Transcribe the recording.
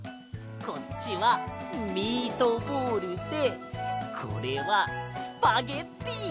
こっちはミートボールでこれはスパゲッティ！